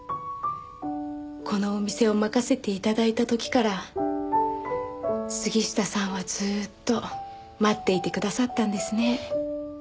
このお店を任せて頂いた時から杉下さんはずーっと待っていてくださったんですね。